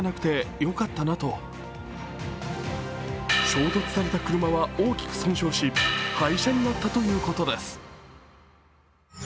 衝突された車は大きく損傷し廃車になったということです。